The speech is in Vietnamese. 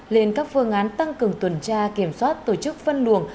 lên các phương án tăng cường tuần tra kiểm soát tổ chức phân luồng